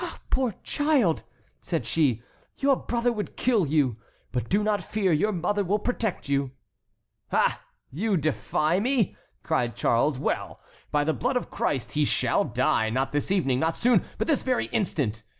"Ah, poor child!" said she, "your brother would kill you. But do not fear, your mother will protect you." "Ah, you defy me!" cried Charles. "Well! by the blood of Christ, he shall die, not this evening, not soon, but this very instant.